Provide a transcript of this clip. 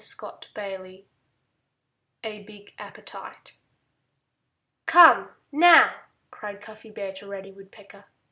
*XVIII* *A BIG APPETITE* "Come, now!" cried Cuffy Bear to Reddy Woodpecker.